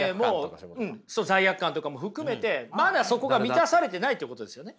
そう罪悪感とかも含めてまだそこが満たされてないということですよね。